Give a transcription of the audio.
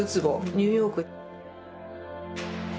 ニューヨーク。